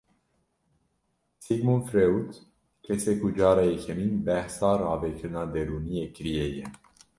Sigmund Freud kesê ku cara yekemîn behsa ravekirina derûniyê kiriye ye.